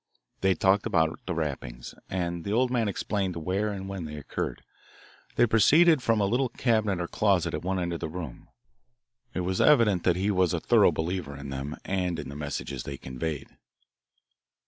They talked about the rappings, and the old man explained where and when they occurred. They proceeded from a little cabinet or closet at one end of the room. It was evident that he was a thorough believer in them and in the messages they conveyed.